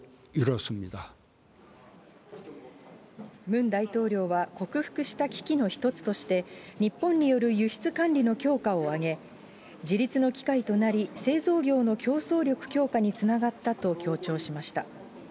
ムン大統領は、克服した危機の一つとして、日本による輸出管理の強化を挙げ、自立の機会となり、製造業の競争力強化につながったと強調しました。